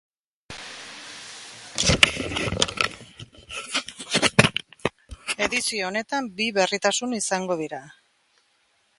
Edizio honetan bi berritasun izango dira.